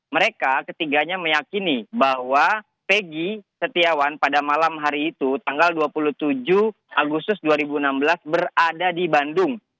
mereka ketiganya meyakini bahwa pegi setiawan pada malam hari itu tanggal dua puluh tujuh agustus dua ribu enam belas berada di bandung